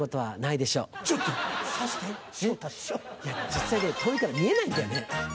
実際ね遠いから見えないんだよね。